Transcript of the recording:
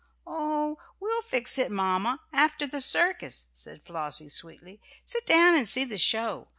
"Oh, we'll fix it, mamma, after the circus," said Flossie sweetly. "Sit down and see the show.